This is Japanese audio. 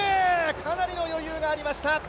かなりの余裕がありました。